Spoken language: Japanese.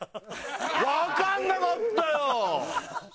わかんなかったよ！